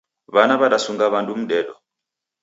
W'ana w'adasunga w'andu mdedo